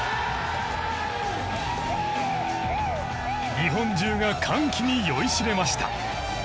日本中が歓喜に酔いしれました。